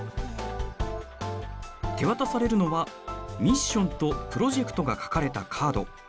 手渡されるのはミッションとプロジェクトが書かれたカード。